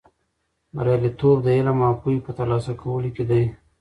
بریالیتوب د علم او پوهې په ترلاسه کولو کې دی.